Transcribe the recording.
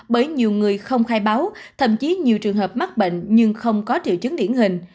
bởi nhiều người không khai báo thậm chí nhiều trường hợp mắc bệnh nhưng không có triệu chứng điển hình